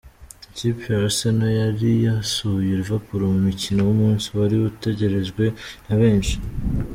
Ikipe ya Arsenal yari yasuye Liverpool mu mukino w’umunsi wari utegerejwe na benshi.